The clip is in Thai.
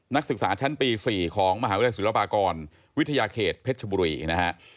นักศึกษาชั้นปี๔ของมหาวิทยาลัยศิลปากรวิทยาเขตเพชรชบุรีนะฮะ